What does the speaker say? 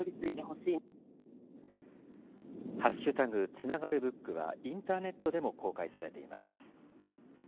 つながるＢＯＯＫは、インターネットでも公開されています。